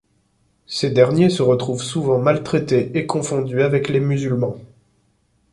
Ces derniers se retrouvent souvent maltraités et confondus avec les musulmans.